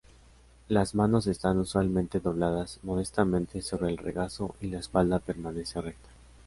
Las manos están usualmente dobladas modestamente sobre el regazo y la espalda permanece recta.